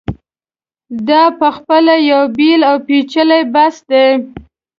دا په خپله یو بېل او پېچلی بحث دی.